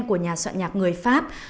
của nhà soạn nhạc người pháp